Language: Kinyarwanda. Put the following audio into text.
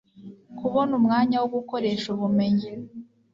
kubona umwanya wo gukoresha ubumenyi